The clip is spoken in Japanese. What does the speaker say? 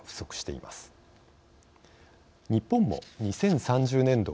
日本も２０３０年度